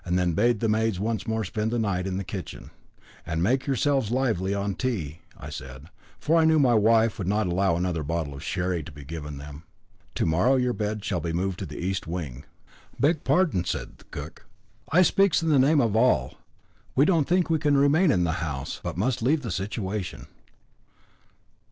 Then I bade the maids once more spend the night in the kitchen, "and make yourselves lively on tea," I said for I knew my wife would not allow another bottle of sherry to be given them. "To morrow your beds shall be moved to the east wing." "Beg pardon," said the cook, "I speaks in the name of all. We don't think we can remain in the house, but must leave the situation."